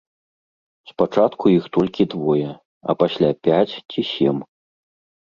Спачатку іх толькі двое, а пасля пяць ці сем.